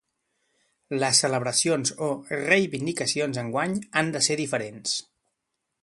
Les celebracions o reivindicacions enguany han de ser diferents.